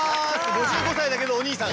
５５歳だけどおにいさん。